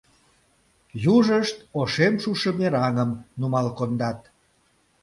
Южышт ошем шушо мераҥым нумал кондат.